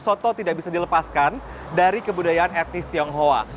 soto tidak bisa dilepaskan dari kebudayaan etnis tionghoa